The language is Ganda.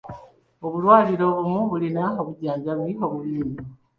Obulwaliro obumu bulina obujjanjabi obubi ennyo.